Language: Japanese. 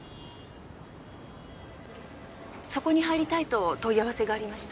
そこに入りたいと問い合わせがありました。